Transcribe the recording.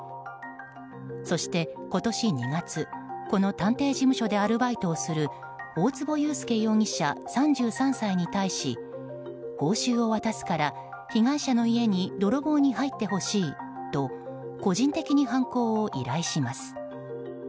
そして今年２月この探偵事務所でアルバイトをする大坪裕介容疑者、３３歳に対し報酬を渡すから、被害者の家に泥棒に入ってほしいと個人的に犯行を依頼します。